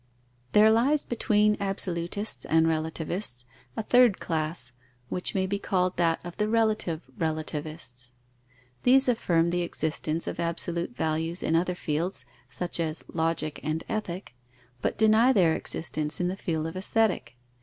_ There lies, between absolutists and relativists, a third class, which may be called that of the relative relativists. These affirm the existence of absolute values in other fields, such as Logic and Ethic, but deny their existence in the field of Aesthetic.